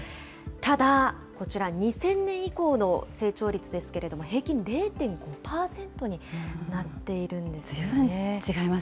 ただ、こちら２０００年以降の成長率ですけれども、平均０．５％になっているんですよね。